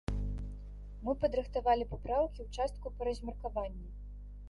Мы падрыхтавалі папраўкі ў частку па размеркаванні.